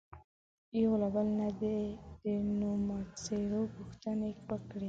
یو له بله نه دې د نومځرو پوښتنې وکړي.